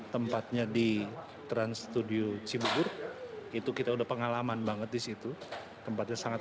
tempatnya di trans studio cibubur itu kita udah pengalaman banget di situ tempatnya sangat